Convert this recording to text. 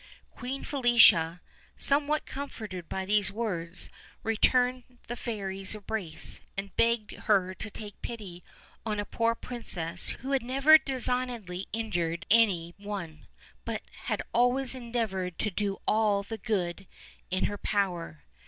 Queen Felicia, somewhat comforted by these words, returned the fairy's embrace, and begged her to take pity on a poor princess who had never disgnedly injured any one, but had always endeavored to do all the good in her power.